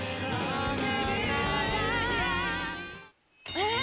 えっ？